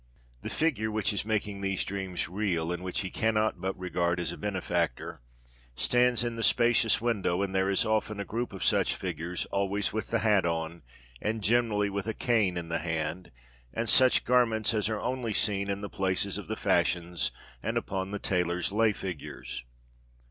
The figure which is making these dreams real, and which he cannot but regard as a benefactor, stands in the spacious window, and there is often a group of such figures; always with the hat on, and generally with a cane in the hand, and such garments as are seen only in the plates of the fashions and upon the tailor's lay figures.